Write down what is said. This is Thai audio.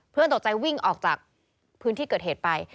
ตกใจวิ่งออกจากพื้นที่เกิดเหตุไป